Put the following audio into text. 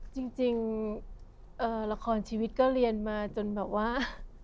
จริงละครชีวิตก็เรียนมาจนแบบว่า